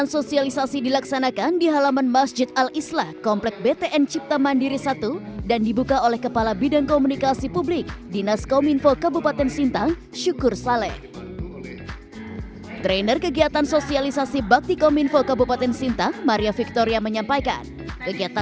sosialisasi tersebut bertujuan agar ibu ibu cakep dan aman melakukan kegiatan dengan media internet